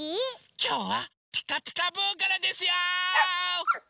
きょうは「ピカピカブ！」からですよ！